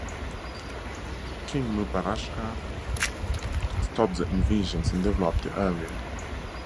King Mubaraksha stopped the invasions and developed the area.